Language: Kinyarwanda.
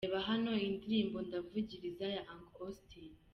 Reba hano indirimbo Ndavugiriza ya Uncle Austin :.